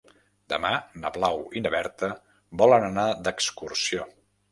Demà na Blau i na Berta volen anar d'excursió.